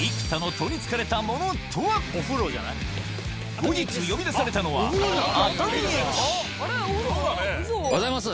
後日呼び出されたのはおはようございます。